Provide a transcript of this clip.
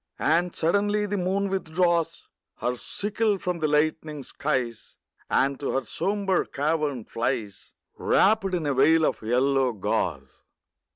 And suddenly the moon withdraws Her sickle from the lightening skies, And to her sombre cavern flies, Wrapped in a veil of yellow gauze.